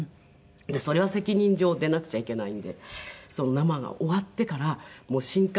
それは責任上出なくちゃいけないんでその生が終わってから新幹線ですぐ帰ったんですね。